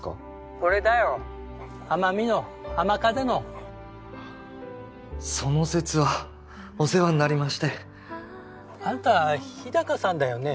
俺だよ奄美のあま風のその節はお世話になりましてあんた日高さんだよね？